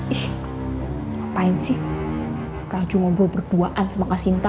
ih ngapain sih raju ngobrol berduaan sama kasinta